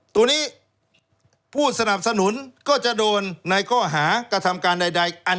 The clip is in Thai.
ตัวนี้ผู้สนับสนุนก็จะโดนในข้อหากระทำการใด